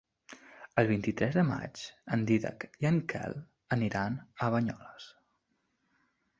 El vint-i-tres de maig en Dídac i en Quel aniran a Banyoles.